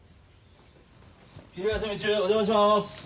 ・昼休み中お邪魔します。